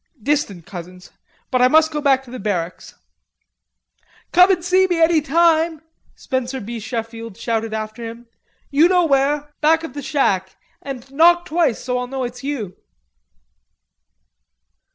"Distant cousins. But I must go back to the barracks." "Come in and see me any time," Spencer B. Sheffield shouted after him. "You know where; back of the shack; And knock twice so I'll know it's you."